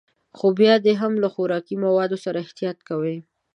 خو بيا دې هم له خوراکي موادو سره احتياط کوي.